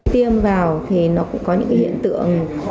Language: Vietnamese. tiêm vào thì nó cũng có những hiện tượng